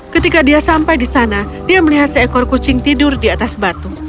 ketika dia sampai di sana dia melihat seekor kucing tidur di atas batu